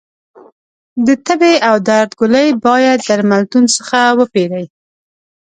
د تبې او درد ګولۍ باید درملتون څخه وپېری